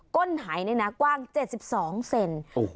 ก้นหายในกว้าง๗๒เซนติเมตร